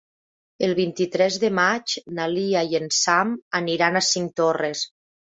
El vint-i-tres de maig na Lia i en Sam aniran a Cinctorres.